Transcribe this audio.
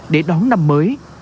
để đón năm mới